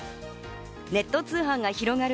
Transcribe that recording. ネット通販が広がる